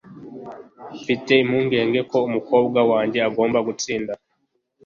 Mfite impungenge ko umukobwa wanjye agomba gutsinda